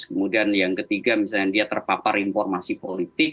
kemudian yang ketiga misalnya dia terpapar informasi politik